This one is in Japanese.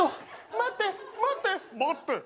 待って待って。